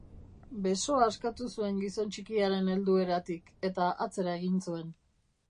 Besoa askatu zuen gizon txikiaren heldueratik, eta atzera egin zuen.